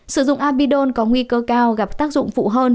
sử dụng abidon có nguy cơ cao gặp tác dụng phụ hơn